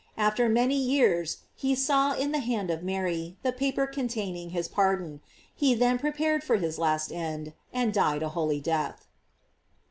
After many years, he saw in the hand of Mary the paper containing his pardon; he then prepared for his last end, and died a holy death.